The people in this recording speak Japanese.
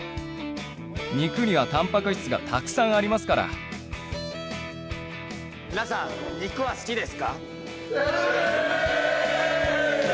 肉にはたんぱく質がたくさん皆さん、肉は好きですか？